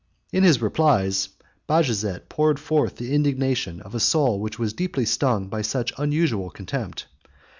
In his replies, Bajazet poured forth the indignation of a soul which was deeply stung by such unusual contempt.